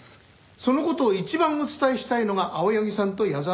その事を一番お伝えしたいのが青柳さんと矢沢さんなんです。